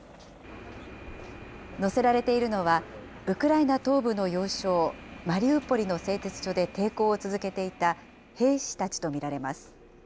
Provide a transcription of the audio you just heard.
乗せられているのは、ウクライナ東部の要衝マリウポリの製鉄所で抵抗を続けていた兵士たちと見られます。